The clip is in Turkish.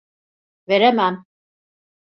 Veremem.